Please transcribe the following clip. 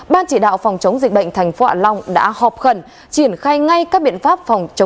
ban chỉ đạo phòng chống dịch bệnh tp hạ long đã họp khẩn triển khai ngay các biện pháp